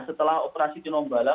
setelah operasi tinombala